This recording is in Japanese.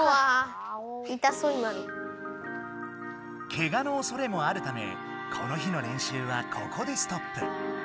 けがのおそれもあるためこの日の練習はここでストップ。